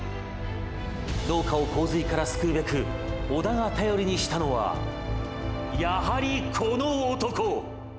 農家を洪水から救うべく織田が頼りにしたのはやはり、この男。